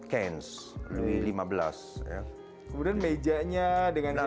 kemudian mejanya dengan biasanya